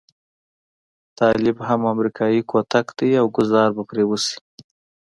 طالب هم امريکايي کوتک دی او ګوزار به پرې وشي.